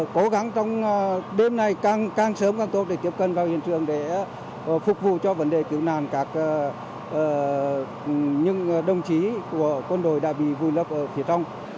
cố gắng trong đêm này càng sớm càng tốt để tiếp cận vào hiện trường để phục vụ cho vấn đề cứu nạn các đồng chí của quân đội đã bị vùi lấp ở phía trong